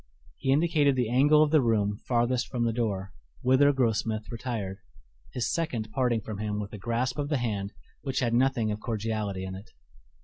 He indicated the angle of the room farthest from the door, whither Grossmith retired, his second parting from him with a grasp of the hand which had nothing of cordiality in it.